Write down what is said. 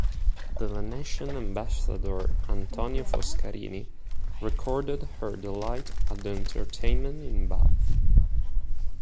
The Venetian ambassador Antonio Foscarini recorded her delight at the entertainment in Bath.